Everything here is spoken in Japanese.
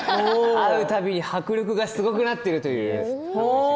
会うたびに迫力がすごくなっている。